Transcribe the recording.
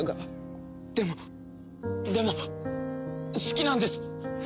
でもでも好きなんです！